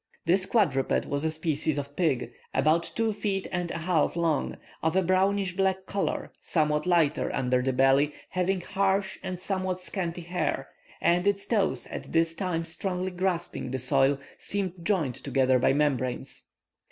This quadruped was a species of pig, about two feet and a half long, of a brownish black color, somewhat lighter under the belly, having harsh and somewhat scanty hair, and its toes at this time strongly grasping the soil seemed joined together by membranes.